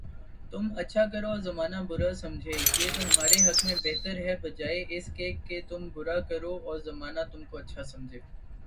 تم اچھا کرو اور زمانہ برا سمجھے، یہ تمہارے حق میں بہتر ہے بجائے اس کے تم برا کرو اور زمانہ تم کو اچھا سمجھے